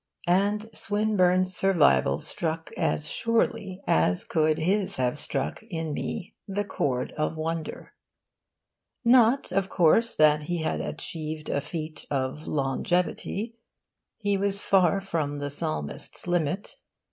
And Swinburne's survival struck as surely as could his have struck in me the chord of wonder. Not, of course, that he had achieved a feat of longevity. He was far from the Psalmist's limit.